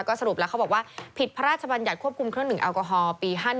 ก็สรุปแล้วเขาบอกว่าผิดพระราชบัญญัติควบคุมเครื่องดื่มแอลกอฮอล์ปี๕๑